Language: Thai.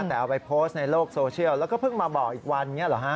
แต่เอาไปโพสต์ในโลกโซเชียลแล้วก็เพิ่งมาบอกอีกวันอย่างนี้เหรอฮะ